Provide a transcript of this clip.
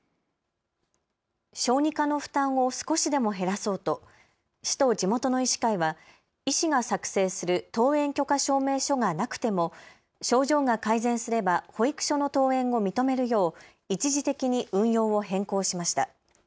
小児科の負担を少しでも減らそうと市と地元の医師会は医師が作成する登園許可証明書がなくても症状が改善すれば保育所の登園を認めるよう一時的に運用を変更しました。